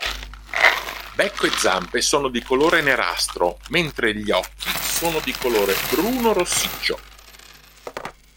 Becco e zampe sono di colore nerastro, mentre gli occhi sono di colore bruno-rossiccio.